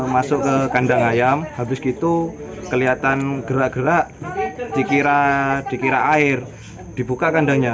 masuk ke kandang ayam habis gitu kelihatan gerak gerak dikira dikira air dibuka kandangnya